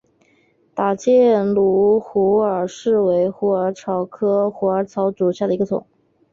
打箭炉虎耳草为虎耳草科虎耳草属下的一个种。